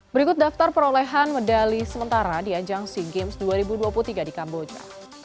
berikut daftar perolehan medali sementara di ajang sea games dua ribu dua puluh tiga di kamboja